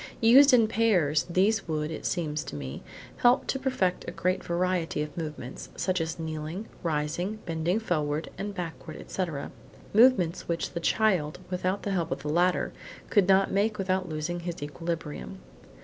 Used in pairs, these would, it seems to me, help to perfect a great variety of movements, such as kneeling, rising, bending forward and backward, etc.; movements which the child, without the help of the ladder, could not make without losing his equilibrium.